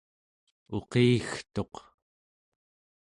uqiggetuq